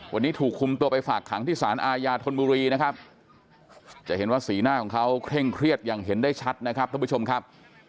วันนี้ถูกคุมตัวไปฝากขังที่สารอาญาธนบุรีนะครับจะเห็นว่าสีหน้าของเขาเคร่งเครียดอย่างเห็นได้ชัดนะครับท่านผู้ชมครับ